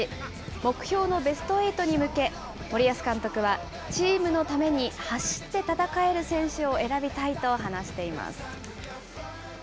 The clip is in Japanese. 目標のベストエイトに向け、森保監督はチームのために走って戦える選手を選びたいと話しています。